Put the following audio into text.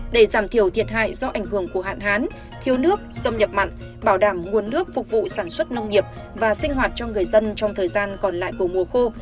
để giảm thiểu thiệt hại do ảnh hưởng của hạn hán thiếu nước xâm nhập mặn bảo đảm nguồn nước phục vụ sản xuất nông nghiệp và sinh hoạt cho người dân trong thời gian còn lại của mùa khô